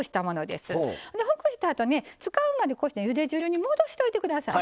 ほぐしたあと使うまでこうしてゆで汁に戻しておいて下さいね。